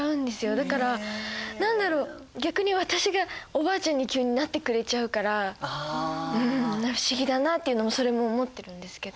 だから何だろう逆に私がおばあちゃんに急になってくれちゃうから不思議だなっていうのもそれも思ってるんですけど。